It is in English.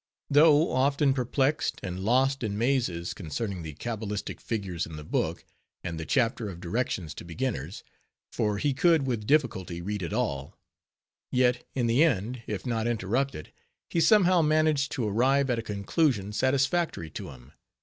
Though often perplexed and lost in mazes concerning the cabalistic figures in the book, and the chapter of directions to beginners; for he could with difficulty read at all; yet, in the end, if not interrupted, he somehow managed to arrive at a conclusion satisfactory to him.